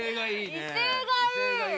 威勢がいい！